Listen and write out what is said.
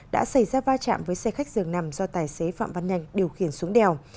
đã xảy ra va chạm với xe khách dường nằm do tài xế phạm văn nhanh điều khiển xuống đèo